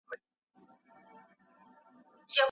کمپيوټر امنيتي حالت چک کوي.